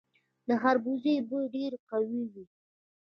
د خربوزې بوی ډیر قوي وي.